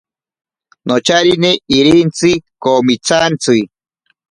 Nocharine irintsi komitsantsi.